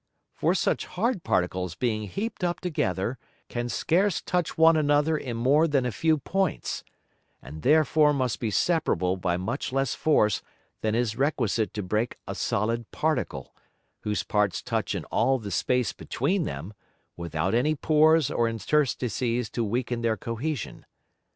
For such hard Particles being heaped up together, can scarce touch one another in more than a few Points, and therefore must be separable by much less Force than is requisite to break a solid Particle, whose Parts touch in all the Space between them, without any Pores or Interstices to weaken their Cohesion.